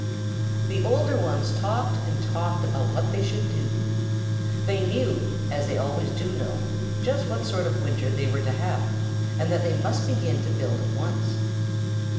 The older ones talked and talked about what they should do. They knew, as they always do know, just what sort of winter they were to have, and that they must begin to build at once.